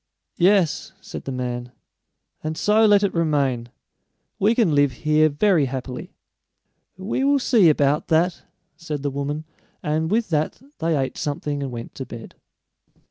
"Yes," said the man; "and so let it remain. We can live here very happily." "We will see about that," said the woman, and with that they ate something and went to bed.